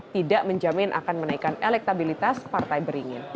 tidak menjamin akan menaikkan elektabilitas partai beringin